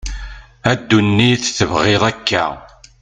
a dunit tebγiḍ akka